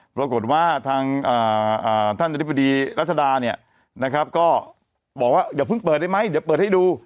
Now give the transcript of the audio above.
ปรากฏว่าทางท่านอธิบดีรัชดาเนี่ยนะครับก็บอกว่าอย่าเพิ่งเปิดได้ไหมเดี๋ยวเปิดให้ดู